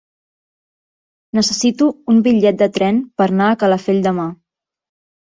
Necessito un bitllet de tren per anar a Calafell demà.